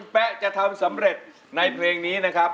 แป๊ะจะทำสำเร็จในเพลงนี้นะครับ